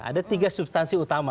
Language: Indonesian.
ada tiga substansi utama